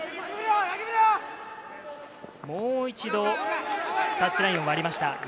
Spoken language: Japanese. もう一度タッチラインを割りました。